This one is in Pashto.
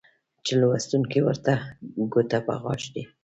چې لوستونکى ورته ګوته په غاښ دى